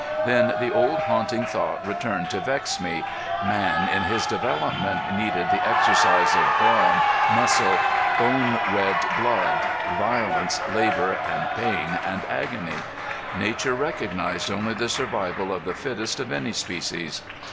Then the old haunting thought returned to vex me man in his development needed the exercise of brawn, muscle, bone red blood, violence, labor and pain and agony. Nature recognized only the survival of the fittest of any species.